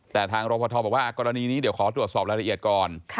แต่ทางรพทบอกว่ากรณีนี้เดี๋ยวขอตรวจสอบรายละเอียดก่อน